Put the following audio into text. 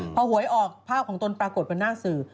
พอหวยออกภาพของตนปรากฏบนหน้าสื่อ